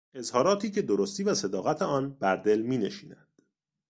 اظهاراتی که درستی و صداقت آن بردل مینشیند